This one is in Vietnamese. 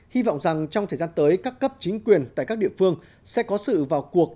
hy vọng rằng trong thời gian tới các cấp chính quyền tại các địa phương sẽ có sự vào cuộc